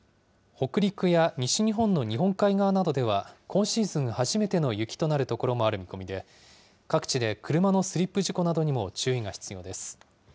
北陸や西日本の日本海側などでは、今シーズン初めての雪となる所もある見込みで、各地で車のスリップ事故などにも注意が必要です。